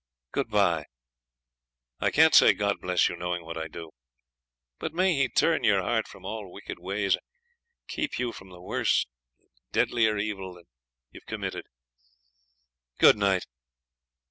Good bye. I can't say God bless you, knowing what I do; but may He turn your heart from all wicked ways, and keep you from worse and deadlier evil than you have committed! Good night.